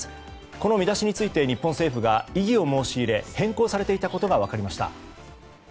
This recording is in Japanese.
この見出しについて日本政府が異議を申し入れ変更されていたことが分かりました。